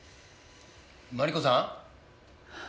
マリコさん？